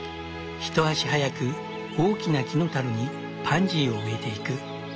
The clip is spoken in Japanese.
一足早く大きな木のたるにパンジーを植えていく。